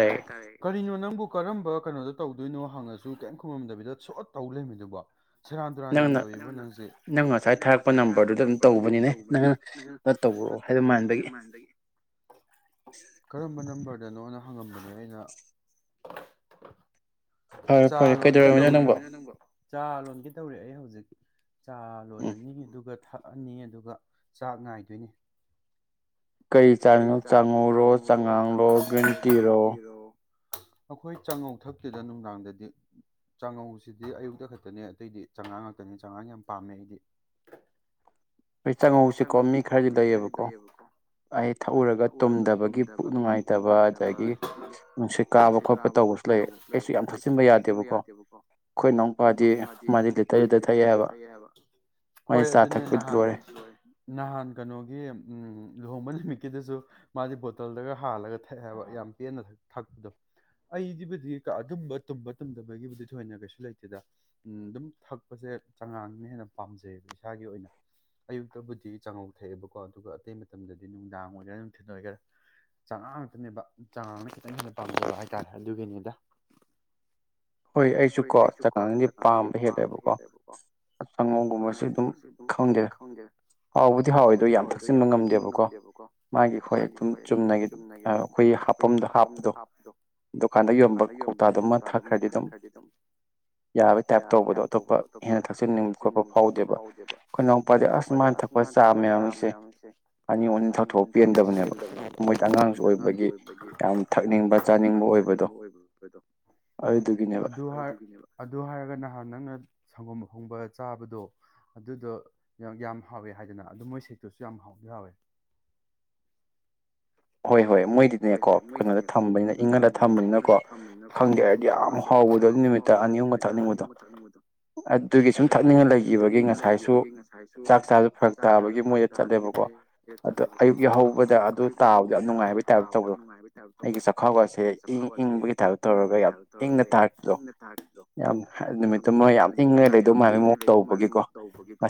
ꯇꯥꯏꯌꯦ ꯇꯥꯏꯌꯦ ꯀꯔꯤꯅꯣ ꯅꯪꯕꯨ ꯀꯔꯝꯕ ꯀꯩꯅꯣꯗꯣ ꯇꯧꯗꯣꯏꯅꯣ ꯍꯪꯉꯁꯨ ꯀꯔꯤꯝ ꯈꯨꯝꯃꯝꯗꯕꯤꯗ ꯁꯣ ꯇꯧ ꯂꯩꯃꯤꯗꯨꯕꯣ ꯁꯦꯔꯥꯟ ꯇꯨꯔꯥꯟ ꯌꯥꯝ ꯇꯧꯋꯕ ꯅꯪꯁꯦ ꯅꯪ ꯉꯁꯥꯏ ꯊꯥꯔꯛꯄ ꯅꯝꯕꯔꯗꯨꯗ ꯑꯗꯨꯝ ꯇꯧꯕꯅꯤꯅꯦ ꯀꯔꯝꯕ ꯅꯝꯕꯔꯅꯣ ꯀꯩꯅꯣꯅ ꯍꯪꯉꯝꯕꯅꯦ ꯑꯩꯅ ꯆꯥ ꯂꯣꯟꯒꯦ ꯇꯧꯔꯤ ꯆꯥ ꯂꯣꯟꯒꯤ ꯇꯧꯔꯤ ꯑꯩ ꯍꯧꯖꯤꯛ [unintelligible] ꯆꯥ ꯂꯣꯜꯂꯅꯤ ꯑꯗꯨꯒ ꯊꯛꯑꯅꯤ ꯑꯗꯨꯒ ꯆꯥꯛ ꯉꯥꯏꯗꯣꯏꯅꯤ ꯀꯔꯤ ꯆꯥꯡꯏꯅꯣ ꯆꯪꯉꯧꯔꯣ ꯆꯥꯉꯥꯡ ꯔꯣ ꯒ꯭ꯔꯤꯟ ꯇꯤꯔꯣ ꯑꯩꯈꯣꯏ ꯆꯥꯉꯧ ꯊꯛꯇꯨꯗ ꯅꯨꯡꯗꯥꯡꯗꯗꯤ ꯆꯥꯛꯉꯧꯁꯤꯗꯤ ꯑꯌꯨꯛꯇ ꯈꯛꯇꯅꯦ ꯑꯇꯩꯗꯤ ꯆꯉꯥꯡ ꯉꯥꯛꯇꯅꯤ ꯆꯉꯥꯡ ꯌꯥꯝ ꯄꯥꯝꯃꯦ ꯑꯩꯗꯤ ꯍꯣꯏ ꯆꯪꯉꯧꯁꯤꯀꯣ ꯃꯤ ꯈꯔꯗꯤ ꯂꯩꯌꯦꯕꯀꯣ ꯑ ꯊꯛꯎꯔꯒ ꯇꯨꯝꯗꯕꯒꯤ ꯄꯨꯛ ꯅꯨꯡꯉꯥꯏ ꯅꯨꯡꯉꯥꯏꯇꯕ ꯑꯗꯒꯤ ꯀꯥꯕ ꯈꯣꯠꯄ ꯇꯧꯕꯁꯨ ꯂꯩꯛꯇ ꯌꯥꯝ ꯊꯥꯛꯆꯤꯟꯕ ꯌꯥꯗꯦꯕꯀꯣ ꯑꯩꯈꯣꯏ ꯏꯅꯥꯎꯄꯥꯗꯤ ꯃꯥꯗꯤ ꯂꯤ ꯇꯔꯗꯨꯗ ꯊꯛꯑꯦ ꯍꯥꯏꯕ ꯍꯣꯏ ꯑꯗꯨꯅꯦ꯫ ꯅꯍꯥꯟ ꯀꯩꯅꯣꯒꯤ ꯎ ꯂꯨꯍꯣꯡꯕ ꯅꯨꯃꯤꯠꯀꯤꯗꯁꯨ꯫ ꯃꯥꯗꯤ ꯕꯣꯇꯜꯗꯒ ꯍꯥꯜꯂꯒ꯫ ꯊꯛꯑꯦꯕ ꯌꯥꯝ ꯄꯦꯟꯅ ꯊꯛꯄꯗꯣ ꯑꯩꯒꯤꯕꯨꯗꯤ ꯑꯗꯨꯝꯕ ꯇꯨꯝꯕ ꯇꯨꯝꯗꯕꯒꯤꯕꯨꯗꯤ ꯊꯣꯏꯅ ꯀꯩꯁꯨ ꯂꯩꯇꯦꯗ ꯑꯗꯨꯝ ꯊꯛꯄꯁꯦ ꯆꯉꯥꯡꯅ ꯍꯦꯟꯅ ꯄꯥꯝꯖꯩꯕ ꯏꯁꯥꯒꯤ ꯑꯣꯏꯅ ꯑꯌꯨꯛꯇꯕꯨꯗꯤ ꯆꯥꯉꯧ ꯊꯛꯑꯦꯕꯀꯣ ꯑꯗꯨꯒ ꯑꯇꯩ ꯃꯇꯝꯗꯗꯤ ꯅꯨꯡꯗꯥꯡ ꯑꯣꯏꯒꯦꯔꯥ ꯅꯨꯡꯊꯤꯜ ꯑꯣꯏꯒꯦꯔꯥ ꯆꯉꯥꯡ꯫ ꯑꯗꯨꯅꯦꯕ ꯆꯥꯡ ꯑꯃ ꯈꯤꯇꯪ ꯍꯦꯟꯅ ꯄꯥꯝꯖꯕ ꯍꯥꯏꯇꯥꯔꯦ ꯑꯗꯨꯒꯤꯅꯤꯗ꯫ ꯍꯣꯏ ꯑꯩꯁꯨꯀꯣ ꯆꯉꯥꯡꯗꯤ ꯄꯥꯝꯕ ꯍꯦꯜꯂꯦꯕꯀꯣ ꯆꯥꯉꯣꯝꯒꯨꯝꯕꯁꯨ ꯑꯗꯨꯝ ꯈꯪꯗꯦ ꯍꯥꯎꯕꯨꯗꯤ ꯍꯥꯎꯋꯦꯗꯣ ꯌꯥꯝ ꯊꯛꯆꯤꯟꯕ ꯉꯝꯗꯦꯕꯀꯣ ꯃꯥꯒꯤ ꯍꯣꯏ ꯑꯗꯨꯝ ꯆꯨꯝꯅꯒꯤ ꯑꯩꯈꯣꯏꯒꯤ ꯍꯥꯐꯝꯗꯣ ꯍꯥꯞꯄꯗꯣ ꯗꯨꯀꯥꯟꯗ ꯌꯣꯟꯝꯕ ꯀꯧꯇꯥꯗꯃꯛ꯫ ꯈꯔꯗꯤ ꯑꯗꯨꯝ ꯌꯥꯔ ꯇꯥꯏꯞ ꯇꯧꯕꯗꯣ ꯑꯇꯣꯞꯄ ꯍꯦꯟꯅ ꯊꯛꯆꯤꯟꯅꯤꯡꯕ ꯈꯣꯠꯄ ꯐꯥꯎꯗꯦꯕ ꯑꯩꯈꯣꯏꯅꯥꯎꯄꯥꯗꯤ ꯑꯁ ꯃꯥꯅ ꯊꯛꯄ ꯆꯥ ꯃꯌꯥꯝꯁꯦ ꯑꯅꯤ ꯑꯅꯤ ꯊꯠꯄ ꯄꯦꯟꯕ ꯃꯣꯏꯗꯤ ꯑꯉꯥꯡꯁꯨ ꯑꯣꯏꯕꯒꯤ ꯌꯥꯝ ꯊꯛꯅꯤꯡꯕ ꯆꯥꯅꯤꯡꯕ ꯑꯣꯏꯕꯕꯗꯣ꯫ ꯑꯗꯨ ꯑꯗꯨ ꯍꯥꯏꯔꯒ ꯅꯍꯥꯟ ꯅꯪꯅ꯫ ꯁꯪꯒꯣꯝ ꯈꯣꯡꯕ ꯆꯥꯕꯗꯣ ꯑꯗꯨꯗꯣ ꯌꯥꯝ ꯌꯥꯝ ꯍꯥꯎꯋꯦ ꯍꯥꯏꯗꯅ ꯑꯗꯨ ꯃꯣꯏ ꯁꯦꯛꯇꯨꯁꯨ ꯌꯥꯝ ꯍꯥꯎꯋꯦ꯫ ꯍꯣꯏ꯫ ꯍꯣꯏ ꯃꯣꯏꯗꯤꯅꯦꯀꯣ ꯀꯩꯅꯣꯗ ꯊꯝꯕꯅꯤꯅ ꯏꯪꯍꯜꯂꯒ ꯊꯝꯕꯅꯤꯅꯀꯣ ꯈꯪꯗꯦ ꯍꯥꯏꯔꯗꯤ ꯌꯥꯝ ꯍꯥꯎꯕꯗꯣ ꯅꯨꯃꯤꯠ ꯇꯔ ꯑꯅꯤ ꯑꯍꯨꯝꯒ ꯊꯛꯅꯤꯡꯕꯗꯣ ꯑꯗꯨꯒꯤ ꯁꯨꯝ ꯊꯛꯅꯤꯡꯉ ꯂꯩꯈꯤꯕꯒꯤ ꯉꯁꯥꯏꯁꯨ ꯆꯥꯛ ꯆꯥꯁꯨ ꯐꯔꯛ ꯇꯥꯕꯒꯤ ꯃꯣꯏꯗ ꯆꯠꯂꯦꯕꯀꯣ ꯑꯗꯣ ꯑꯌꯨꯛꯀꯤ ꯍꯧꯕꯗ ꯑꯗꯨ꯫ ꯇꯥꯕꯗ ꯌꯥꯝ ꯅꯨꯡꯉꯥꯏꯕ꯫ ꯇꯥꯎꯕꯗ ꯌꯥꯝ ꯅꯨꯡꯉꯥꯏꯕꯒꯤ ꯇꯥꯏꯕꯛ ꯇꯧꯕ ꯑꯩꯒꯤ ꯆꯈꯥꯎ ꯋꯥꯁꯦ ꯏꯪ ꯏꯪꯕꯒꯤ ꯇꯥꯏꯕꯞ ꯇꯧꯔꯒ ꯌꯥꯝ ꯏꯪꯅ ꯇꯥꯈꯤꯕꯗꯣ ꯌꯥꯝ ꯅꯨꯃꯤꯠꯇꯨ ꯃꯣꯏ ꯌꯥꯝ ꯏꯪꯉꯒ ꯂꯩꯗꯧꯃꯅ ꯑꯃꯨꯛ ꯇꯧꯕꯒꯤꯀꯣ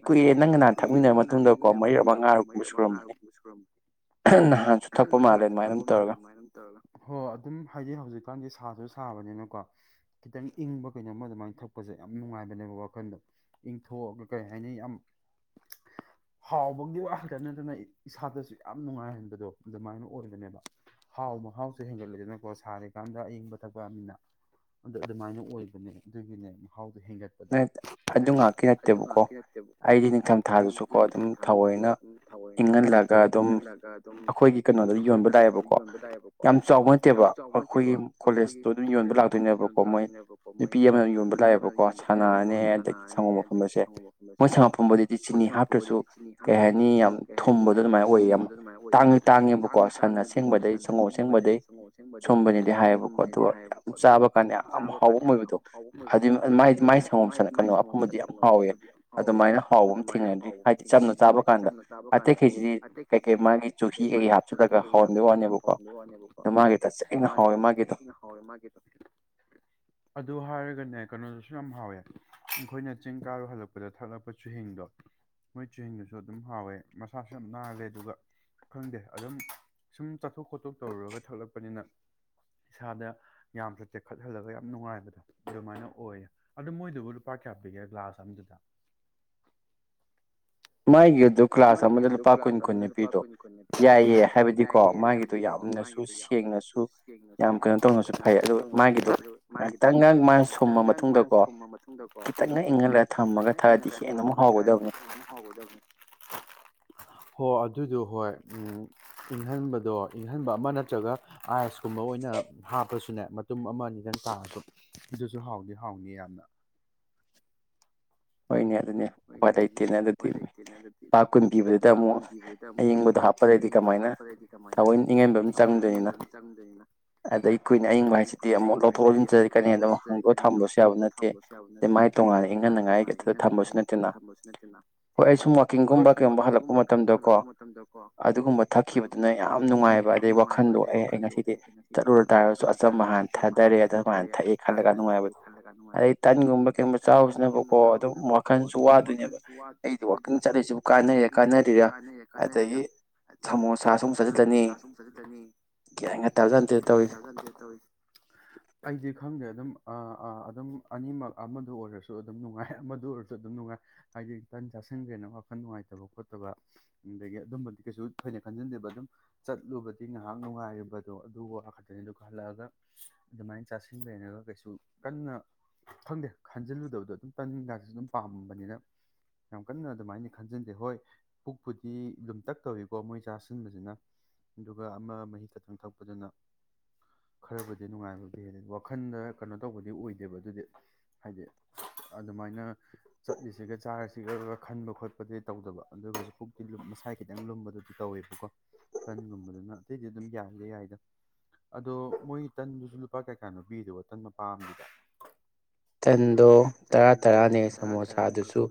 ꯉꯁꯥꯏꯗꯣ ꯊꯛꯑꯦ ꯑꯩ ꯀꯨꯏꯦ ꯅꯪꯒꯍꯟꯅ ꯊꯛꯃꯤꯟꯅꯔꯕ ꯃꯇꯨꯡꯗꯀꯣ ꯃꯔꯤꯔꯛ ꯃꯉꯥꯔꯨꯛ ꯁꯨꯔꯝꯃꯅꯤ꯫ ꯍꯟꯅ꯫ ꯊꯛꯄ ꯃꯥꯜꯂꯦ ꯑꯗꯨꯃꯥꯏ ꯇꯧꯔ ꯍ ꯑꯗꯨꯝ ꯍꯥꯏꯗꯤ ꯍꯧꯖꯤꯛꯀꯥꯟꯗꯤ ꯁꯥꯁꯨ꯫ ꯁꯥꯕꯅꯤꯅꯀꯣ ꯈꯤꯇꯪ ꯏꯪꯕ ꯀꯩꯅꯣꯝꯃ ꯑꯗꯨꯃꯥꯏꯅ ꯊꯛꯄꯁꯦ ꯌꯥꯝ ꯅꯨꯡꯉꯥꯏꯕꯅꯦꯕ ꯋꯥꯈꯜꯗꯣ ꯏꯪꯊꯣꯛꯑꯒ ꯀꯔꯤ ꯍꯥꯏꯅꯤ ꯌꯥꯝ ꯍꯥꯎꯕꯒꯤ ꯋꯥ ꯈꯛꯇ ꯅꯠꯇꯅ ꯏꯁꯥꯗꯁꯨ ꯌꯥꯝ ꯅꯨꯡꯉꯥꯏꯍꯟꯕꯗꯣ꯫ ꯑꯗꯨꯃꯥꯏꯅ ꯑꯣꯏꯕꯅꯦꯕ ꯍꯥꯎ ꯃꯍꯥꯎꯁꯨ ꯍꯦꯟꯒꯠꯂꯦꯗꯅꯀꯣ ꯁꯥꯔꯤꯀꯥꯟꯗ ꯑꯌꯪꯕ ꯊꯛꯄ ꯌꯥꯅꯤꯅ ꯑꯗꯨ ꯑꯗꯨꯃꯥꯏꯅ ꯑꯣꯏꯕꯅꯦ ꯑꯗꯨꯒꯤꯅꯦ ꯃꯍꯥꯎ꯫ ꯅ ꯑꯗꯨ ꯉꯥꯛꯀꯤ ꯅꯠꯇꯦꯕꯀꯣ ꯑꯩꯗꯤ ꯅꯤꯡꯊꯝ ꯊꯥꯗꯁꯨꯀꯣ ꯑꯗꯨꯝ ꯊꯑꯣꯏꯅ ꯏꯪꯍꯜꯂꯒ ꯑꯗꯨꯝ ꯑꯩꯈꯣꯏꯒꯤ꯫ ꯀꯩꯅꯣꯗ ꯌꯣꯟꯕ ꯂꯥꯛꯑꯦꯕꯀꯣ ꯌꯥꯝ ꯆꯥꯎꯕ ꯅꯠꯇꯦꯕ ꯑꯩꯈꯣꯏꯒꯤ ꯀꯣꯂꯦꯖꯇꯣ ꯑꯗꯨꯝ ꯌꯣꯟꯕ ꯂꯥꯛꯇꯣꯏꯅꯦꯕꯀꯣ ꯃꯣꯏ ꯅꯨꯄꯤ ꯑꯃꯅ ꯌꯣꯟꯕ ꯂꯥꯛꯑꯦꯕꯀꯣ꯫ ꯀꯣ ꯁꯅꯥꯅꯦ ꯑꯗꯒꯤ ꯁꯪꯒꯣꯝ ꯃꯐꯝ ꯑꯁꯦ ꯃꯣꯏ ꯁꯪꯒꯣꯝꯐꯝꯗꯗꯤ ꯆꯤꯅꯤ ꯍꯥꯞꯇ꯭ꯔꯁꯨ ꯀꯩ ꯍꯥꯏꯅꯤ ꯌꯥꯝ ꯊꯨꯝꯕꯗꯣ ꯑꯗꯨꯃꯥꯏꯅ ꯑꯣꯏꯌꯦ ꯌꯥꯝ ꯇꯥꯡꯉꯤ ꯇꯥꯡꯉꯦꯕ꯫ ꯇꯥꯡꯉꯤ ꯇꯥꯡꯉꯦꯕꯀꯣ ꯁꯟ ꯑꯁꯦꯡꯕꯗꯩ ꯆꯪꯉꯧ ꯑꯁꯦꯡꯕꯗꯩ ꯁꯨꯝꯕꯅꯗꯤ ꯍꯥꯏꯌꯦꯕꯀꯣ ꯑꯣ ꯌꯥꯝ ꯆꯥꯕ ꯀꯥꯟꯗ ꯌꯥꯝ ꯍꯥꯎꯕ ꯑꯣꯏꯕꯗꯣ꯫ ꯃꯥꯏꯗꯤ ꯃꯥꯏ ꯁꯪꯒꯣꯝ ꯁꯥꯟꯅꯛꯀꯅꯣ ꯑꯐꯐꯝꯕꯗꯤ ꯌꯥꯝ ꯍꯥꯎꯋꯦ ꯑꯗꯨꯃꯥꯏꯅ ꯍꯥꯎꯕ ꯑꯃ ꯊꯦꯡꯅꯗ꯭ꯔꯤ ꯍꯥꯏꯗꯤ ꯆꯞꯅ ꯆꯥꯕ ꯀꯥꯟꯗ ꯑꯇꯩꯈꯩꯁꯤꯗꯤ ꯀꯩ ꯀꯩ ꯃꯥꯒꯤ ꯆꯨꯍꯤ ꯀꯩ ꯀꯩ ꯍꯥꯞꯄ꯫ ꯍꯤ ꯑꯩ ꯍꯥꯞꯆꯜꯂꯒ ꯍꯍꯟꯕꯒꯤ ꯋꯥꯅꯦꯕꯀꯣꯒꯤꯦ ꯃꯥꯒꯤꯗꯣ ꯇꯥꯁꯦꯡꯅꯥ ꯍꯥꯎꯋꯦ ꯃꯒꯤꯗꯣ꯫ ꯍꯥꯏꯔꯒꯅꯦ ꯀꯩꯅꯣꯗꯁꯨ ꯌꯥꯝ ꯍꯥꯎꯋꯦ ꯑꯩꯈꯣꯏꯅ ꯆꯤꯡ ꯀꯥꯔ ꯍꯜꯂꯛꯄꯗ ꯊꯛꯂꯛꯄ ꯆꯨꯍꯤꯡꯗꯣ ꯃꯣꯏ ꯆꯨꯍꯤꯡꯗꯨꯁꯨ ꯑꯗꯨꯝ ꯍꯥꯎꯋꯦ ꯃꯁꯥꯁꯨ ꯌꯥꯝ ꯅꯥꯜꯂꯦ ꯑꯗꯨꯒ ꯈꯪꯗꯦ꯫ ꯑꯗꯨꯝ ꯁꯨꯝ ꯆꯠꯊꯣꯛ ꯈꯣꯠꯇꯣꯛ ꯇꯧꯔꯨꯔꯒ ꯊꯛꯂꯛꯄꯅꯤꯅ ꯏꯁꯥꯗ ꯌꯥꯝꯅ ꯇꯦꯛꯈꯠꯍꯜꯂꯒ ꯌꯥꯝ ꯅꯨꯡꯉꯥꯏꯕꯗꯣ ꯑꯗꯨꯃꯥꯏꯅ ꯑꯣꯏꯌꯦ ꯑꯗꯨ ꯃꯣꯏꯗꯨꯕꯨ ꯂꯨꯄꯥ ꯀꯌꯥ ꯄꯤꯒꯦ ꯒ꯭ꯂꯥꯁ ꯑꯃꯗꯨꯗ꯫ ꯃꯥꯥꯏ꯫ [inaudible] ꯍꯣ ꯑꯗꯨꯗꯣ ꯍꯣꯏ ꯎꯝ ꯏꯪꯍꯟꯕꯗꯣ ꯏꯪꯍꯟꯕ ꯑꯃ ꯅꯠꯇ꯭ꯔꯒ ꯑꯥꯏꯁ꯫ ꯊꯨꯝꯕ ꯑꯣꯏꯅ ꯍꯥꯞꯄꯁꯨꯅꯦ꯫ ꯃꯇꯨꯝ ꯑꯃ ꯑꯅꯤꯗꯪ ꯇꯥꯁꯨ ꯑꯗꯨꯁꯨ ꯍꯥꯎꯗꯤ ꯍꯥꯎꯅꯤ ꯌꯥꯝꯅ꯫ ꯍꯣꯏꯅꯦ꯫ ꯑꯗꯨꯅꯤ ꯎꯄꯥꯏ ꯂꯩꯇꯦꯅ ꯑꯗꯨꯗꯤ ꯂꯨꯄꯥ ꯀꯨꯟ ꯄꯤꯕꯗꯨꯗ ꯑꯃꯨꯛ ꯑꯌꯤꯡꯕꯗꯣ ꯍꯥꯞꯄꯗꯗꯤ ꯀꯃꯥꯏꯅ ꯊꯑꯣꯏ ꯏꯪꯍꯟꯕ ꯑꯃ ꯆꯪꯗꯣꯏꯅꯤꯅ ꯑꯗꯩ ꯀꯨꯏꯅ ꯑꯌꯤꯡꯕ ꯍꯥꯏꯁꯤꯗꯤ ꯑꯃꯨꯛ ꯂꯧꯊꯣꯛ ꯂꯧꯁꯤꯟꯖꯔꯛꯀꯅꯤ ꯑꯗꯨ ꯍꯪꯗꯣꯛꯑꯒ ꯊꯝꯕꯁꯨ ꯌꯥꯕ ꯅꯠꯇꯦ ꯑꯗ ꯃꯥꯏꯅ ꯇꯣꯉꯥꯟꯅ ꯏꯪꯍꯟꯅꯉꯥꯏꯒꯅꯤ꯫ ꯑꯗꯨ ꯊꯝꯃꯣꯁꯤꯅꯦ ꯊꯝꯕꯁꯨ ꯅꯠꯇꯦꯅ ꯍꯣꯏ ꯁꯨꯝ ꯋꯥꯛꯀꯤꯡꯒꯨꯝꯕ ꯀꯩꯒꯨꯝꯕ ꯍꯜꯂꯛꯄ ꯃꯇꯝꯗ ꯀꯣ ꯑꯗꯨꯒꯨꯝꯕ ꯊꯛꯈꯤꯕꯗꯨꯅ ꯌꯥꯝ ꯅꯨꯡꯉꯥꯏꯕ ꯑꯗꯩ ꯋꯥꯈꯜꯗꯣꯛꯑꯦ ꯑꯩ ꯉꯁꯤꯗꯤ ꯆꯠꯂꯨꯔ ꯇꯥꯔꯁꯨ ꯑꯆꯝꯕ ꯍꯥꯟꯅ ꯊꯥꯗꯔꯦ ꯑꯆꯝꯕ ꯍꯥꯟꯅ ꯊꯛꯑꯦ ꯈꯜꯂꯒ ꯅꯨꯡꯉꯥꯏꯕ ꯑꯗꯩ ꯇꯟꯒꯨꯝꯕ ꯀꯩꯒꯨꯝꯕ ꯆꯥꯎ ꯋꯥꯈꯟꯁꯨ ꯑꯗꯨꯝ ꯋꯥꯈꯜꯁꯨ ꯋꯥꯗꯣꯏꯅꯦꯕ ꯑꯩꯗꯣ ꯋꯥꯇꯪ ꯆꯠꯂꯤꯁꯤ ꯀꯅꯩꯔ ꯀꯥꯟꯅꯗꯔ ꯑꯗꯒꯤ ꯁꯃꯣꯁꯥꯁꯨ ꯃꯨꯛ ꯆꯥꯁꯤꯜꯂꯅꯤ ꯒꯌ꯭ꯥꯟꯒꯥ ꯇꯥꯕꯖꯥꯠ ꯅꯠꯇꯦꯅꯤ ꯇꯧꯔꯤꯖ ꯑꯩꯗꯤ ꯈꯪꯗꯦ ꯑꯗꯨꯝ ꯑꯥ ꯑꯥ ꯑꯗꯨꯝ ꯑꯅꯤꯃꯛ ꯑꯃꯗ ꯑꯣꯏꯔꯁꯨ ꯑꯗꯨꯝ ꯅꯨꯡꯉꯥꯏ ꯑꯃꯗ ꯑꯣꯏꯔꯁꯨ ꯑꯗꯨꯝ ꯅꯨꯡꯉꯥꯏ ꯍꯥꯏꯗꯤ ꯇꯟ ꯆꯥꯁꯤꯟꯈ꯭ꯔꯦꯅ ꯋꯥꯈꯟ ꯅꯨꯡꯉꯥꯏꯇꯕ ꯈꯣꯠꯇꯕ ꯑꯗꯒꯤ ꯑꯗꯨꯝꯕꯗꯤ ꯀꯩꯁꯨ ꯊꯣꯏꯅ ꯈꯟꯖꯤꯟꯗꯦꯕ ꯑꯗꯨꯝ ꯆꯠꯂꯨꯕꯗꯤ ꯉꯥꯏꯍꯥꯛ ꯅꯨꯡꯉꯥꯏꯔꯤꯕꯗꯣ ꯑꯗꯨ ꯋꯥꯈꯛꯇꯅꯤ ꯑꯗꯨꯒ ꯍꯜꯂꯛꯑꯒ ꯑꯗꯨꯃꯥꯏꯅ ꯆꯥꯁꯤꯟꯈ꯭ꯔꯦꯅꯒ ꯀꯩꯁꯨ ꯀꯟꯅ ꯈꯪꯗꯦ ꯈꯟꯖꯤꯜꯂꯨꯗꯕꯗꯣ ꯑꯗꯨꯝ ꯇꯟꯁꯤꯟ ꯀꯥꯟꯁꯨ ꯑꯗꯨꯝ ꯄꯥꯝꯕꯅꯤꯅ ꯌꯥꯝ ꯀꯟꯅ ꯑꯗꯨꯃꯥꯏꯅ ꯈꯟꯖꯤꯟꯗꯦ ꯍꯣꯏ ꯄꯨꯛꯄꯨꯗꯤ ꯑꯗꯨꯝ ꯇ ꯇꯧꯋꯤꯀꯣ ꯃꯣꯏ ꯆꯥꯁꯤꯟꯕꯁꯤꯅ ꯑꯗꯨꯒ ꯑꯃ ꯃꯍꯤ ꯈꯛꯇꯪ ꯊꯛꯄꯗꯨꯅ ꯈꯔꯕꯨꯗꯤ ꯅꯨꯡꯉꯥꯏꯕꯕꯨ ꯍꯦꯜꯜꯂꯤꯦ ꯋꯥꯈꯟꯗ ꯀꯩꯅꯣ ꯇꯧꯕꯗꯤ ꯑꯣꯏꯗꯦꯕ ꯑꯗꯨꯗꯤ ꯍꯥꯏꯗꯤ ꯑꯗꯨꯃꯥꯏꯅ ꯆꯠꯂꯤꯁꯤꯒ ꯆꯥꯔꯤꯁꯤꯒ ꯈꯟꯕ ꯈꯣꯠꯄꯗꯨꯗꯤ ꯇꯧꯗꯕ ꯑꯗꯨꯒꯁꯨ ꯄꯨꯛ ꯃꯁꯥꯏ ꯈꯤꯇꯪ ꯂꯨꯝꯕꯗꯨꯗꯤ ꯇꯧꯋꯦꯕꯀꯣ ꯇꯟꯒꯨꯝꯅꯗꯨꯅ ꯑꯇꯩꯗꯤ ꯑꯗꯨꯝ ꯌꯥꯒꯦ ꯌꯥꯏꯗ ꯑꯗꯣ ꯃꯣꯏꯒꯤ꫰ ꯇꯟꯗꯨꯁꯨ ꯂꯨꯄꯥ ꯀꯩ ꯀꯥꯅꯣ ꯄꯤꯗꯕ ꯇꯟ ꯃꯄꯥꯝꯗꯨꯗ ꯇꯟꯗꯣ ꯇꯔꯥ ꯇꯔꯥꯅꯦ ꯁꯃꯣꯁꯥꯗꯨꯁꯨ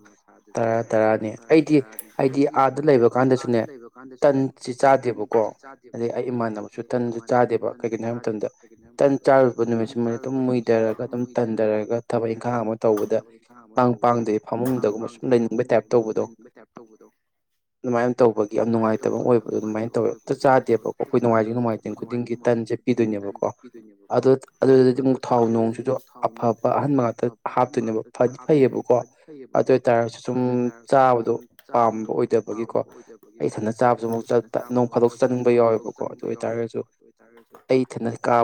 ꯇꯔꯥ ꯇꯔꯥꯅꯤ ꯑꯩꯗꯤ ꯑꯩꯗꯤ ꯑꯥꯗ ꯂꯩꯕ ꯀꯥꯟꯗꯁꯨꯅꯦ ꯇꯟꯁꯤ ꯆꯥꯗꯦꯕꯀꯣ ꯑꯗꯩ ꯑꯩ ꯏꯃꯥꯟꯅꯕꯁꯨ ꯇꯟꯁꯨ ꯆꯥꯗꯦꯕ ꯀꯩꯒꯤꯅꯣ ꯍꯥꯏꯕ ꯃꯇꯝꯗ ꯇꯟ ꯆꯥꯔꯨꯕ ꯅꯨꯃꯤꯠꯁꯤꯃꯗꯤ ꯑꯗꯨꯝ ꯃꯨꯏꯊꯔꯒ ꯑꯗꯨꯝ ꯇꯟꯊꯔꯒ ꯊꯕꯛ ꯏꯪꯈꯥꯡ ꯑꯃ ꯇꯧꯕꯗ ꯄꯥꯡꯗꯩ ꯐꯃꯨꯡꯗꯒꯨꯝꯕ ꯁꯨꯝ ꯂꯩꯅꯤꯡꯕꯩ ꯇꯥꯏꯞ ꯇꯧꯕꯗꯣ ꯑꯗꯨꯃꯥꯏꯅ ꯇꯧꯕꯒꯤ ꯌꯥꯝ ꯅꯨꯡꯉꯥꯏꯇꯕ ꯑꯣꯏꯕꯗꯣ ꯑꯗꯨꯃꯥꯏꯅ ꯇꯧꯋꯦ ꯑꯝꯇ ꯆꯥꯗꯦꯕꯀꯣ ꯑꯩꯈꯣꯏ ꯅꯨꯡꯉꯥꯏꯖꯤꯡ ꯅꯨꯡꯉꯥꯏꯖꯤꯡ ꯈꯨꯗꯤꯡꯒꯤ ꯇꯟꯁꯦ ꯄꯤꯗꯣꯏꯅꯦꯕꯀꯣ ꯑꯗꯨ ꯑꯗꯨꯗꯨꯗꯗꯤ ꯑꯃꯨꯛ ꯊꯥꯎ ꯅꯣꯡꯁꯤꯁꯨ ꯑꯐꯕ ꯑ ꯑꯍꯟꯕ ꯉꯥꯛꯇ ꯍꯥꯞꯇꯣꯏꯅꯦꯕ ꯐꯗꯤ ꯐꯩ ꯑꯗꯨꯅꯦꯕ ꯐ ꯐꯩꯌꯦꯕꯀꯣ ꯑꯗꯨ ꯑꯣꯏꯇꯥꯔꯒꯁꯨ ꯁꯨꯝ ꯆꯥꯕꯗꯣ ꯄꯥꯝꯕ ꯑꯣꯏꯗꯕꯒꯤꯀꯣ ꯑꯩ ꯊꯅ ꯆꯥꯕꯁꯨ ꯑꯃꯨ ꯅꯣꯡ ꯐꯥꯗꯣꯛ ꯆꯟꯕ ꯌꯥꯎꯋꯦꯕꯀꯣ ꯑꯗꯨ ꯑꯣꯏꯇꯥꯔꯒꯁꯨ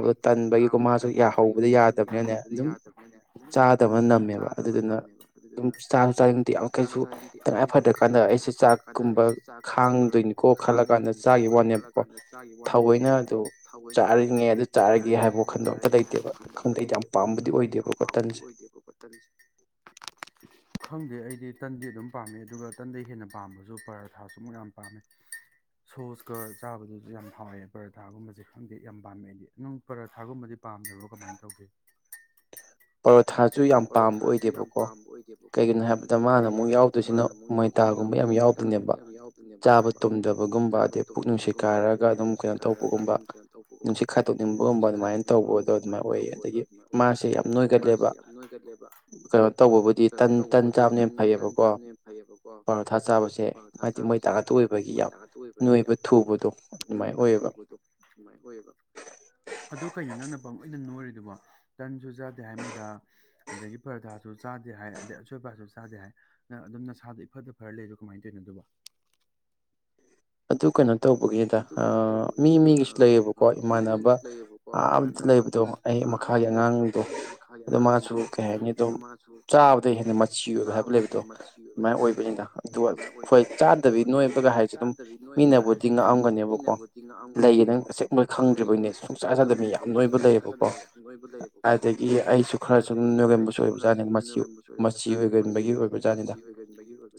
ꯑꯩ ꯊꯅ ꯀꯥꯕꯗꯣ ꯇꯟꯕꯒꯤꯀꯣ ꯃꯥꯁꯨ ꯌꯥꯍꯧꯕꯗ ꯌꯥꯗꯕꯅꯦ ꯆꯥꯗꯕ ꯅꯝꯃꯦꯕ ꯑꯗꯨꯗꯨꯅ ꯑꯗꯨꯝ ꯆꯥꯁꯨ ꯆꯥꯅꯤꯡꯗ ꯌꯥꯝ ꯀꯩꯁꯨ ꯇꯉꯥꯏ ꯐꯗ꯭ꯔ ꯀꯥꯟꯗ ꯑꯩꯁꯦ ꯆꯥꯛꯀꯨꯝꯕ ꯈꯥꯡꯗꯣꯏꯅꯤꯀꯣ ꯈꯜꯂ ꯀꯥꯟꯗ ꯆꯥꯈꯤꯕ ꯋꯥꯅꯦꯕꯀꯣ ꯊꯧꯑꯣꯏꯅ ꯑꯗꯨ ꯆꯥꯔꯤꯉꯦ ꯑꯗꯨ ꯆꯥꯔꯒꯦ ꯍꯥꯏꯕ ꯋꯥꯈꯟꯗꯣ ꯑꯝꯇ ꯂꯩꯇꯦꯕ ꯈꯪꯗꯦ ꯑꯩꯗꯤ ꯌꯥꯝ ꯄꯥꯝꯕꯗꯤ ꯑꯣꯏꯗꯦꯕꯀ ꯇꯟꯁꯦ ꯈꯪꯗꯦ ꯑꯩꯗꯤ ꯇꯟꯗꯤ ꯑꯗꯨꯝ ꯄꯥꯝꯃꯦ ꯑꯗꯨꯒ ꯇꯟꯗꯤ ꯍꯦꯟꯅ ꯄꯥꯝꯕꯁꯨ ꯄꯔꯥꯊꯥꯁꯨ ꯑꯃꯨꯛ ꯌꯥꯝ ꯄꯥꯝꯃꯦ ꯁꯣꯁꯀ ꯆꯥꯕꯗꯨꯁꯨ ꯌꯥꯝ ꯍꯥꯎꯋꯦ ꯄꯔꯥꯊꯥꯒꯨꯝꯕꯁꯦ ꯈꯪꯗꯦ ꯌꯥꯝ ꯄꯥꯝꯃꯦ ꯑꯩꯗꯤ ꯑꯗꯨꯝ ꯄꯔꯥꯊꯥꯒꯨꯝꯕꯗꯤ ꯄꯥꯝꯗꯕꯔꯣ ꯀꯃꯥꯏꯅ ꯇꯧꯒꯦ ꯑ ꯄꯔꯊꯥꯁꯨ ꯌꯥꯝ ꯄꯥꯝꯕ ꯑꯣꯏꯗꯦꯕꯀꯣ ꯀꯩꯒꯤꯅꯣ ꯍꯥꯏꯕꯗ ꯃꯥꯅ ꯑꯃꯨꯛ ꯌꯥꯎꯗꯣꯏꯁꯤꯅ ꯃꯣꯏꯇꯥꯒꯨꯝꯕ ꯌꯥꯝ ꯌꯥꯎꯗꯣꯏꯅꯦꯕ ꯆꯥꯕ ꯇꯨꯝꯗꯕꯒꯨꯝꯕ ꯑꯗꯩ ꯄꯨꯛ ꯅꯨꯡꯁꯤꯠ ꯀꯥꯏꯔꯒ ꯑꯗꯨꯝ ꯀꯩꯅꯣ ꯇꯧꯕꯒꯨꯝꯕ ꯅꯨꯡꯁꯤꯠ ꯈꯥꯏꯗꯣꯛꯅꯤꯡꯕꯒꯨꯝꯕ ꯑꯗꯨꯃꯥꯏꯅ ꯇꯧꯕꯗꯣ ꯑꯗꯨꯃꯥꯏꯅ ꯑꯣꯏꯌꯦ ꯑꯗꯒꯤ ꯃꯥꯁꯦ ꯌꯥꯝ ꯍꯦꯟꯒꯠꯂꯦꯕ ꯅꯣꯏꯒꯠꯂꯦꯕ ꯀꯩꯅꯣ ꯇꯧꯕꯕꯨꯗꯤ ꯇꯟ ꯇꯟ ꯆꯥꯕꯅ ꯌꯥꯝ ꯐꯩꯌꯦꯕꯀꯣ ꯄꯔꯣꯊꯥ ꯆꯥꯕꯁꯦ ꯍꯥꯏꯗꯤ ꯃꯣꯏꯗꯥ ꯉꯥꯛꯇ ꯑꯣꯢꯕꯒꯤ ꯌꯥꯝ ꯅꯣꯏꯕ ꯊꯨꯕꯗꯣ ꯑꯗꯨꯃꯥꯏꯅ ꯑꯣꯏꯌꯦꯕ ꯑꯗꯨ ꯀꯩꯅꯣ ꯅꯪꯅ ꯄꯪꯅꯣꯏꯗ ꯑꯗꯨꯒꯣ ꯇꯟꯁꯨ ꯆꯥꯗꯦ ꯍꯥꯏ ꯃꯣꯏꯗ ꯑꯗꯒꯤ ꯄꯔꯗꯥꯁꯨ ꯆꯥꯗꯦ ꯍꯥꯏ ꯑꯗꯩ ꯑꯁꯣꯏ ꯑꯄꯄꯥꯁꯨ ꯆꯥꯗꯦ ꯍꯥꯏ ꯑꯗꯨꯝ ꯅꯁꯥꯗ ꯏꯐꯠꯇ ꯐꯔ ꯂꯩꯔꯁꯨ ꯀꯃꯥꯏꯅ ꯇꯧꯔꯤꯅꯣ ꯑꯗꯨꯕꯨ ꯑ ꯑꯗꯨ ꯀꯅꯥ ꯇꯧꯕꯒꯤꯅꯤꯗ ꯃꯤ ꯃꯤꯒꯤꯁꯨ ꯂꯩꯌꯦꯕꯀꯣ ꯏꯃꯥꯟꯅꯕ ꯑꯇ ꯂꯩꯕꯗꯣ ꯑꯩ ꯃꯈꯥꯒꯤ ꯑꯉꯥꯡꯗꯣ ꯑꯗꯨꯣ ꯃꯥꯁꯨ ꯀꯩ ꯍꯥꯏꯅꯤ ꯑꯗꯨꯝ ꯆꯥꯕꯗ ꯍꯦꯟꯅ ꯃꯆꯤ ꯑꯣꯏꯕ ꯍꯥꯏꯕ ꯂꯩꯕꯗꯣ ꯑꯗꯨꯃꯥꯏꯅ ꯑꯣꯏꯕꯅꯤꯅ ꯑꯗꯨ ꯍꯣꯏ ꯆꯥꯗꯕꯤ ꯅꯣꯏꯕꯒ ꯍꯥꯏꯁꯦ ꯑꯗꯨꯝ ꯅꯣꯏ ꯑꯩꯈꯣꯏꯗ ꯍꯥꯏꯖꯤꯟꯅꯤꯛ ꯅꯦꯕꯀꯣ ꯂꯩꯌꯦ ꯅꯪ ꯑꯁꯦꯛ ꯃꯣꯏ ꯈꯪꯗ꯭ꯔꯤꯕꯩꯅꯦ ꯁꯨꯡꯆꯥꯥ ꯆꯥꯗꯕ ꯃꯤ ꯌꯥꯝ ꯂꯣꯏꯕ ꯂꯩꯌꯦꯕꯀꯣ ꯑꯗꯒꯤ ꯑꯩꯁꯨ ꯈꯔ ꯁꯨꯗꯨꯝ ꯅꯣꯏꯒꯟꯕꯁꯨ ꯑꯣꯏꯕꯖꯥꯠꯅꯦ ꯃꯆꯤ ꯃꯆꯤ ꯍꯣꯏꯒꯟꯕꯒꯤ ꯑꯣꯏꯕꯖꯥꯠꯅꯤꯗ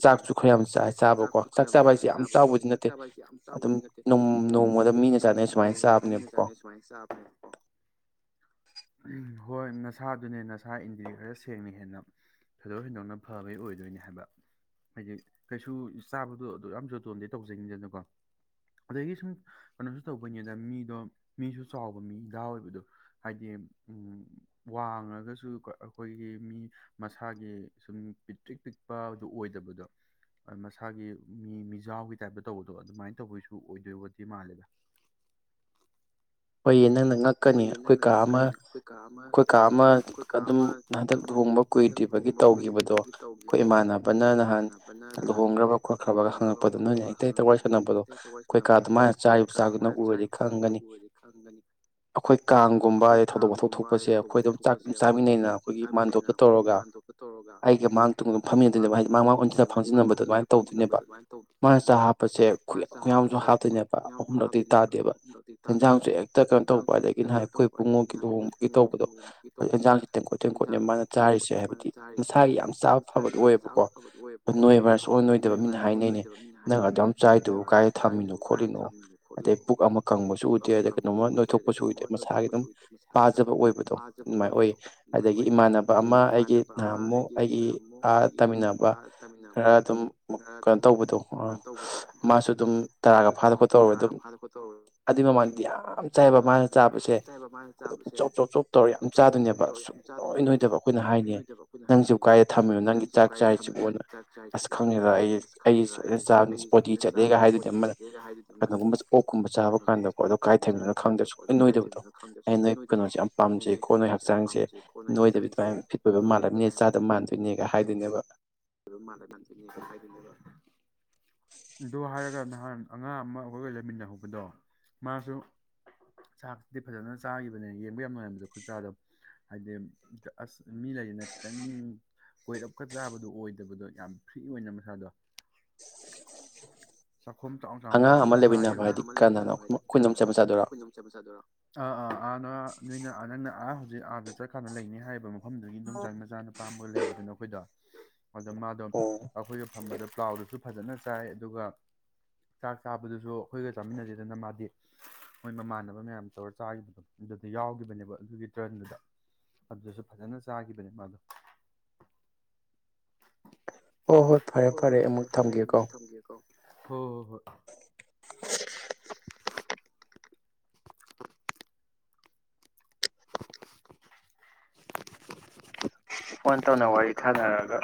ꯆꯥꯛꯁꯨ ꯈꯔ ꯌꯥꯝ ꯆꯥꯏ ꯆꯥꯕꯀꯣ ꯆꯥꯛ ꯆꯥꯕ ꯍꯥꯏꯁꯦ ꯌꯥꯝ ꯆꯥꯎꯕꯗꯤ ꯅꯠꯇꯦ ꯌꯥꯝ ꯆꯥꯎꯕꯨꯗꯤ ꯅꯠꯇꯦ ꯑꯗꯨꯝ ꯅꯣꯝ ꯅꯣꯝꯃꯗ ꯃꯤꯅ ꯆꯥꯅꯩ ꯁꯨꯃꯥꯏꯅ ꯆꯥꯕꯅꯦꯕꯀꯣ ꯎꯝ ꯍꯣꯏ ꯅꯁꯥꯗꯨꯅꯦ ꯅꯁꯥ ꯏꯟꯗꯤꯒꯦꯗꯔ ꯁꯦꯡꯅ ꯍꯦꯟꯅ ꯊꯣꯏꯗꯣꯛ ꯍꯦꯟꯗꯣꯛꯅ ꯐꯕꯩ ꯑꯣꯏꯗꯣꯏꯅꯦ ꯍꯥꯏꯕ ꯍꯥꯏꯗꯤ ꯀꯩꯁꯨ ꯆꯥꯕꯗꯣ ꯑꯗꯨ ꯌꯥꯝ ꯖꯣꯇꯣꯟꯗꯤ ꯇꯧꯖꯅꯤꯡꯗꯅꯀꯣ ꯑꯗꯒꯤ ꯁꯨꯝ ꯀꯩꯅꯣꯁꯨ ꯇꯧꯕꯅꯤꯗ ꯃꯤꯗꯣ ꯃꯤꯁꯨ ꯆꯥꯎꯕ ꯃꯤꯗ ꯑꯣꯏꯕꯗꯣ ꯍꯥꯏꯗꯤ ꯋꯥꯡꯉꯒꯁꯨ ꯑꯩꯈꯣꯏꯒꯤ ꯃꯤ ꯃꯁꯥꯒꯤ ꯁꯨꯝ ꯄꯤꯛꯇ꯭ꯤꯛ ꯄꯤꯛꯄꯗꯣ ꯑꯣꯏꯗꯕꯗꯣ ꯃꯁꯥꯒꯤ ꯃꯤ ꯃꯤꯖꯥꯎꯒꯤ ꯇꯥꯏꯞꯇ ꯇꯧꯕꯗꯣ ꯑꯗꯨꯃꯥꯏꯅ ꯇꯧꯕꯩꯁꯨ ꯗꯨ ꯑꯣꯏꯗꯣꯏꯕꯗꯤ ꯃꯥꯜꯂꯦꯗ ꯍꯣꯏꯌꯦ ꯅꯣꯅ ꯍꯣꯏꯌꯦ ꯅꯪꯅ ꯉꯛꯀꯅꯤ ꯑꯩꯈꯣꯏ ꯀꯥ ꯑꯃ ꯑꯩꯈꯣꯏ ꯀꯥ ꯑꯃ ꯑꯗꯨꯝ ꯍꯟꯗꯛ ꯂꯨꯍꯣꯡꯕ ꯀꯨꯏꯗ꯭ꯔꯤꯕꯒꯤ ꯇꯧꯈꯤꯕꯗꯣ ꯑꯩꯈꯣꯏ ꯏꯃꯥꯟꯅꯕꯅ ꯅꯍꯥꯟ ꯂꯨꯍꯣꯡꯈ꯭ꯔꯕ ꯈꯣꯠꯈ꯭ꯔꯕꯒ ꯍꯪꯉꯛꯄꯗꯣ ꯅꯣꯏꯅ ꯍꯛꯇ ꯍꯦꯛꯇ ꯋꯥꯔꯤ ꯁꯥꯟꯅꯕꯗꯣ ꯑꯩꯈꯣꯏ ꯀꯥ ꯑꯗꯨ ꯃꯥꯅ ꯆꯥꯔꯤꯕ ꯆꯥꯛꯇꯣ ꯅꯪ ꯎꯔꯗꯤ ꯈꯪꯒꯅꯤ ꯑꯩꯈꯣꯏ ꯀꯥꯡꯒꯨꯝꯕꯥꯏ ꯊꯧꯗꯣꯛ ꯋꯥꯊꯣꯛ ꯊꯣꯛꯄꯁꯦ ꯑꯩꯈꯣꯏ ꯑꯗꯨꯝ ꯆꯥꯛꯗꯨꯝ ꯆꯥꯃꯤꯟꯅꯩꯅ ꯑꯩꯈꯣꯏꯒꯤ ꯃꯥꯟꯗꯣꯞꯇ ꯇꯧꯔꯒ ꯑꯩꯒ ꯃꯥꯡ ꯇꯨꯡꯒ ꯐꯝꯃꯤꯟꯅꯗꯣꯏꯅꯦꯕ ꯍꯥꯏꯗꯤ ꯃꯥꯡ ꯃꯥꯥꯡ ꯑꯣꯟꯁꯤꯜꯂ ꯐꯪꯖꯤꯟꯅꯕꯗꯣ ꯑꯗꯨꯃꯥꯏ ꯇꯧꯗꯣꯏꯅꯦꯕ ꯃꯥꯅ ꯆꯥꯛ ꯍꯥꯞꯄꯁꯦ ꯈꯨꯌꯥꯝ ꯈꯨꯌꯥꯝꯁꯨ ꯍꯥꯞꯇꯣꯏꯅꯦꯕ ꯑꯍꯨꯝꯂꯛꯇꯤ ꯇꯥꯗꯦꯕ ꯌꯦꯟꯖꯥꯡꯁꯨ ꯍꯦꯛ ꯀꯩꯅꯣ ꯇꯧꯕ ꯑꯗꯒꯤ ꯅꯍ ꯑꯩꯈꯣꯏ ꯄꯨꯡꯉꯣꯛꯀꯤ ꯂꯨꯍꯣꯡꯕꯒꯤ ꯇꯧꯕꯗꯣ ꯌꯦꯟꯖꯥꯡꯁꯦ ꯇꯦꯡꯀꯣꯠ ꯇꯦꯡꯀꯣꯠꯅꯦ ꯃꯥꯅ ꯆꯥꯔꯤꯁꯦ ꯍꯥꯏꯕꯗꯤ ꯃꯁꯥꯒꯤ ꯌꯥꯝ ꯆꯥꯕ ꯐꯕꯗꯣ ꯑꯣꯏꯌꯦꯕꯀꯣ ꯅꯣꯏꯕꯅ ꯁꯣꯛ ꯅꯣꯏꯗꯕ ꯃꯤꯅ ꯍꯥꯏꯅꯩꯅꯦ ꯅꯪ ꯑꯗꯨꯝ ꯆꯥꯏꯗꯕ ꯀꯥꯏꯗ ꯊꯝꯃꯤꯅꯣ ꯈꯣꯠꯂꯤꯅꯣ ꯑꯗꯩ ꯄꯨꯛ ꯑꯃ ꯀꯪꯕꯁꯨ ꯎꯗꯦ ꯑ ꯃꯁꯨ ꯑꯣꯏꯗꯦ ꯃꯁꯥꯒꯤ ꯑꯗꯨꯝ ꯄꯥꯖꯕ ꯑꯣꯏꯕꯗꯣ ꯑꯗꯨꯃꯥꯏꯅ ꯑꯣꯏꯌꯦ ꯑꯗꯒꯤ ꯏꯃꯥꯟꯅꯕ ꯑꯃ ꯑꯩꯒꯤ ꯅꯍꯥꯃꯨꯛ ꯑꯩꯒꯤ ꯑꯥ ꯇꯥꯃꯤꯟꯅꯕ ꯈꯔ ꯑꯗꯨꯝ ꯀꯩꯅꯣ ꯇꯧꯕꯗꯣ ꯑꯥ ꯃꯥꯁꯨ ꯑꯗꯨꯝ ꯇꯔꯥꯒ ꯐꯥꯗ ꯈꯣꯠꯇꯧꯔ ꯑꯗꯨꯝ ꯑꯗꯨꯏ ꯃꯥꯃꯥꯡꯗꯤ ꯌꯥꯝ ꯆꯥꯏꯕ ꯃꯥꯅ ꯆꯥꯕꯁꯦ ꯑꯗꯨꯝ ꯆꯣꯞ ꯆꯣꯞ ꯆꯣꯞ ꯇꯧꯔ ꯌꯥꯝ ꯆꯥꯗꯣꯏꯅꯦꯕ ꯁꯨꯛꯅꯣꯏ ꯅꯣꯏꯗꯕ ꯑꯩꯈꯣꯏꯅ ꯍꯥꯏꯅꯦ ꯅꯪꯁꯤꯕꯨ ꯀꯥꯏꯗ ꯊꯝꯃꯤꯅꯣ ꯅꯪꯒꯤ ꯆꯥꯛ ꯆꯥꯏꯁꯤꯕꯣꯅ ꯑꯁ ꯈꯪꯗꯦꯗ ꯑꯩ ꯑꯩ ꯁꯣꯏꯗ ꯆꯥꯕꯗ ꯏꯁꯄꯣꯇꯤ ꯆꯠꯂꯦꯒ ꯍꯥꯏꯗꯨꯅꯦ ꯑꯃꯅ ꯀꯩꯅꯣꯒꯨꯝꯕ ꯑꯣꯛꯀꯨꯝꯕ ꯆꯥꯕ ꯀꯥꯟꯗꯀꯣ ꯑꯗꯣ ꯀꯥꯏ ꯅꯣꯏ ꯅꯣꯏꯗꯕꯗꯣ ꯑꯩ ꯅꯣꯏ ꯀꯩꯅꯣꯁꯦ ꯌꯥꯝ ꯄꯥꯝꯖꯩꯀꯣ ꯅꯣꯏ ꯍꯛꯆꯥꯡꯁꯦ ꯅꯣꯏꯗꯕꯤꯗꯃꯥꯏꯅ ꯐꯤꯠ ꯑꯣꯏꯕ ꯃꯥꯜꯂꯝꯃꯤꯅꯦ ꯆꯥꯗꯕ ꯃꯥꯟꯗꯣꯏꯅꯦ ꯀꯩ ꯍꯥꯏꯗꯣꯏꯅꯦꯕ ꯑꯗꯨꯨꯝ ꯃꯥ ꯂꯩ ꯃꯥꯁꯦꯅꯤ ꯆ ꯄꯥꯏꯗꯅꯤꯒꯦ ꯗꯨ ꯍꯥꯔꯒ ꯑꯍꯥꯟ ꯑꯉꯥꯡ ꯑꯃ ꯑꯩꯈꯣꯏꯒ ꯂꯩꯃꯤꯟꯅꯍꯧꯕꯗꯣ ꯃꯥꯁꯨ ꯆꯥꯛꯁꯤꯗꯤ ꯐꯖꯅ ꯆꯥꯈꯤꯕꯅꯦ ꯌꯦꯡꯕ ꯌꯥꯝ ꯅꯨꯡꯉꯥꯏꯕꯗꯣ ꯈꯨꯠ ꯆꯥꯗꯣ ꯍꯥꯏꯗꯤ ꯑꯁ ꯃꯤ ꯂꯩꯗꯅ ꯈꯤꯇꯪ ꯀꯣꯏꯔꯞꯀ ꯆꯥꯕꯗꯨ ꯑꯣꯏꯗ ꯕꯗꯣ ꯌꯥꯝ ꯐ꯭ꯔꯤ ꯑꯣꯏꯅ ꯃꯁꯥꯗꯣ ꯆꯥꯛꯈ ꯆꯥꯎꯥꯥ ꯅꯣꯏ ꯅ ꯍꯧꯖꯤ ꯑꯥꯗ ꯆꯠꯀꯥꯟꯅ ꯂꯩꯅꯤ ꯍꯥꯏꯕ ꯃꯐꯝꯗꯨꯒꯤ ꯌꯝꯆꯪ ꯃꯆꯥ ꯅꯨꯄꯥ ꯑꯃ ꯑꯣꯏ ꯂꯩꯍꯕꯗꯨꯅ ꯑꯩꯈꯣꯏꯗꯣ ꯑꯗ ꯃꯥꯗꯣ ꯑꯩꯈꯣꯏꯗ ꯐꯝꯕꯗ ꯀꯥꯎꯗꯨꯁꯨ ꯐꯖꯅ ꯆꯥꯏ ꯑꯗꯨꯒ ꯆꯥꯛ ꯆꯥꯕꯗꯨꯁꯨ ꯑꯩꯈꯣꯏꯒ ꯆꯥꯃꯤꯟꯅꯖꯗꯅ ꯃꯥꯗꯤ ꯃꯣꯏ ꯃꯃꯥꯟꯅꯕ ꯃꯌꯥꯝ ꯇꯧꯔ ꯆꯥꯈꯤꯕꯗ ꯑꯗꯨꯗ ꯌꯥꯎꯈꯤꯕꯅꯦꯕ ꯑꯗꯨꯒꯤ ꯇ꯭ꯔꯟꯗꯨꯗ ꯑꯗꯨꯗꯁꯨ ꯐꯖꯅ ꯆꯥꯈꯤꯕꯅꯦ ꯃꯥꯗꯣ ꯍꯣꯏ ꯍꯣꯏ ꯐꯔꯦ ꯐꯔꯦ ꯑꯃꯨꯛ ꯊꯝꯒꯦꯀꯣ ꯍꯣꯏ ꯍꯣ ꯍꯣꯏ ꯐꯣꯟ ꯇꯧꯅ ꯋꯥꯔꯤ ꯊꯥꯅꯔꯒ